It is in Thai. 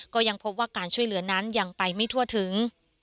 ก็ยังพบว่าการช่วยเหลือนั้นยังไปไม่ทั่วถึง